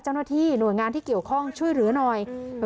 เจ้าหน้าที่หน่วยงานที่เกี่ยวข้องช่วยเหลือหน่อย